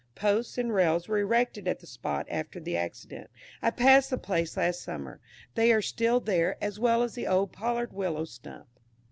Posts and rails were erected at the spot after the accident. I passed the place last summer; they are still there, as well as the old pollard willow stump.